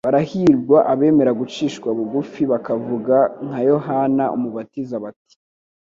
Barahirwa abemera gucishwa bugufi, bakavuga nka Yohana Umubatiza bati,